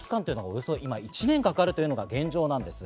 およそ１年かかるというのが現状なんです。